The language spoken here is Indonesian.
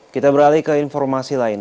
kita beralih ke informasi lain